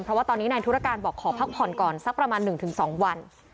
เพราะว่าตอนนี้นายธุรการบอกขอพักผ่อนก่อนสักประมาณ๑๒วัน